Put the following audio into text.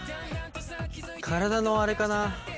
体のあれかな。